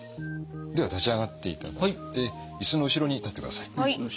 では立ち上がっていただいて椅子の後ろに立ってください。